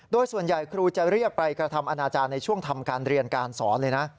โดยส่วนใหญ่ครูจะเรียกไปกระทำอนาจารย์ในช่วงทำการเรียนการสอนเลยนะ